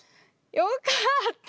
よかった！